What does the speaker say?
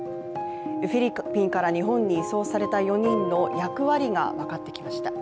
フィリピンから日本に移送された４人の役割が分かってきました。